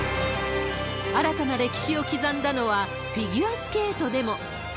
新たな歴史を刻んだのはフィギュアスケートでも。